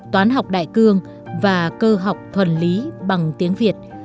toán học đại cương và cơ học thuần lý bằng tiếng việt